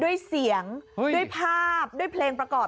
ด้วยเสียงด้วยภาพด้วยเพลงประกอบ